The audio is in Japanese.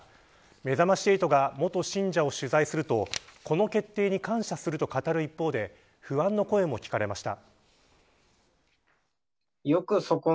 めざまし８が元信者を取材するとこの決定に感謝すると語る一方で不安の声も聞かれました。